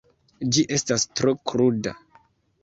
Ĝi estas tro kruda.